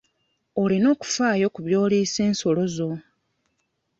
Olina okufaayo ku by'oliisa ensolo zo.